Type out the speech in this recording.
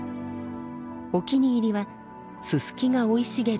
お気に入りはススキが生い茂る土手